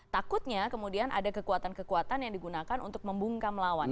takutnya kemudian ada kekuatan kekuatan yang digunakan untuk membungkam lawan